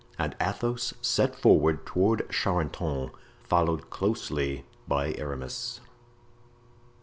And Athos set forward toward Charenton, followed closely by Aramis.